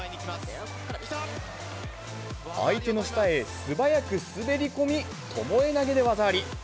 相手の下へ素早く滑り込み、ともえ投げで技あり。